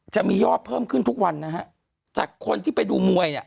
จะมียอดเพิ่มขึ้นทุกวันนะฮะจากคนที่ไปดูมวยเนี่ย